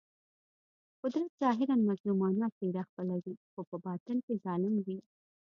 قدرت ظاهراً مظلومانه څېره خپلوي خو په باطن کې ظالم وي.